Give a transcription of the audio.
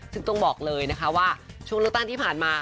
ซึ่งต้องบอกเลยนะคะว่าช่วงเลือกตั้งที่ผ่านมา